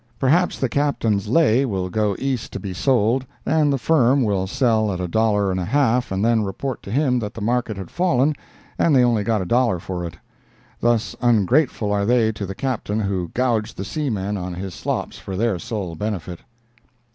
Perhaps the Captain's "lay" will go East to be sold, and "the firm" will sell at a dollar and a half and then report to him that the market had fallen and they only got a dollar for it. Thus ungrateful are they to the Captain who gouged the seaman on his "slops" for their sole benefit.